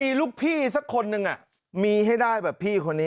มีลูกพี่สักคนนึงมีให้ได้แบบพี่คนนี้